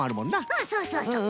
うんそうそうそう。